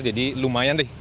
jadi lumayan deh